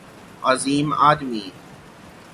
عظیم آدمی